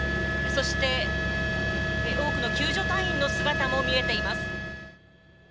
そして多くの救助隊員の姿も見えています。